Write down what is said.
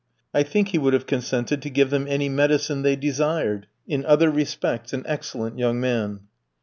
I think he would have consented to give them any medicine they desired: in other respects an excellent young man.